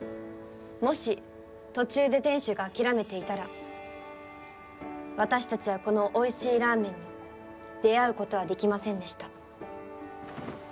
もし途中で店主が諦めていたら私たちはこのおいしいラーメンに出合うことはできませんでした。